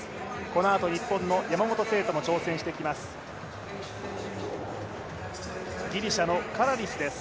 このあと日本の山本聖途も挑戦してきます。